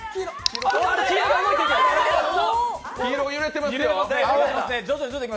黄色、揺れてますよ。